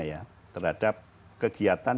ya terhadap kegiatan